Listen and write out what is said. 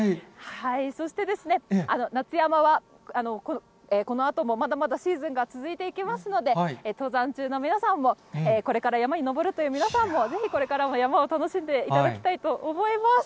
そして、夏山はこのあとも、まだまだシーズンが続いていきますので、登山中の皆さんも、これから山に登るという皆さんも、ぜひ、これからも山を楽しんでいただきたいと思います。